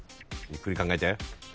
ゆっくり考えて。